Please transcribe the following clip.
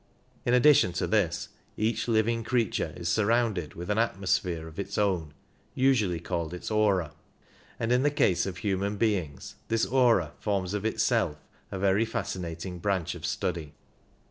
In addition to this each living creature is surrounded with an atmosphere of its own, usually called its aura, and in the case of human beings this aura forms of itself a very fascinating branch of study.